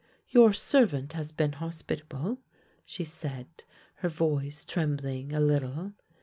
" Your servant has been hospitable," she said, her voice trembling a little.